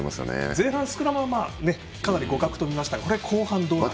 前半、スクラムはかなり互角と見ましたが後半はどうなるか。